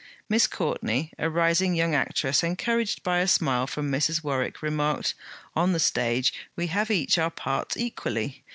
Miss Courtney, a rising young actress, encouraged by a smile from Mrs. Warwick, remarked: 'On the stage, we have each our parts equally.'